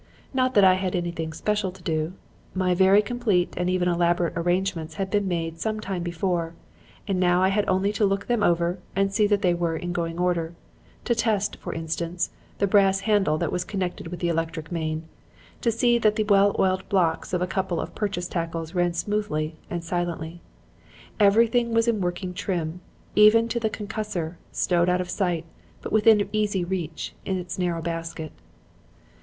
Not that I had anything special to do. My very complete and even elaborate arrangements had been made some time before and I now had only to look them over and see that they were in going order; to test, for instance, the brass handle that was connected with the electric main, and see that the well oiled blocks of a couple of purchase tackles ran smoothly and silently. Everything was in working trim, even to the concussor, stowed out of sight, but within easy reach, in its narrow basket.